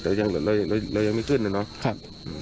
แต่เรายังไม่ขึ้นเหรอครับ